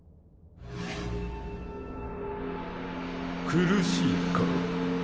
苦しいか。